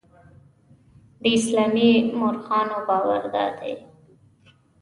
د اسلامي مورخانو باور دادی.